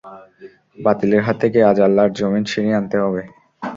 বাতিলের হাত থেকে আজ আল্লাহর জমিন ছিনিয়ে আনতে হবে।